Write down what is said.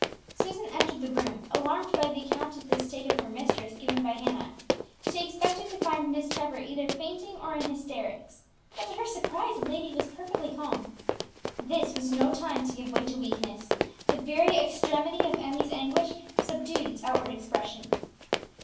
Susan entered the room, alarmed by the account of the state of her mistress given by Hannah. She expected to find Miss Trevor either fainting or in hysterics, but to her surprise the lady was perfectly calm. This was no time to give way to weakness; the very extremity of Emmie's anguish subdued its outward expression.